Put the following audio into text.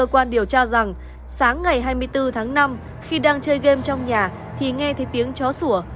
quan điều tra rằng sáng ngày hai mươi bốn tháng năm khi đang chơi game trong nhà thì nghe thấy tiếng chó sủa